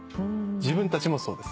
自分たちもそうですね。